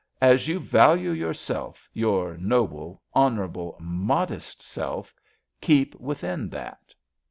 As you value yourself — ^your noble, honourable, modest self — keep within that.''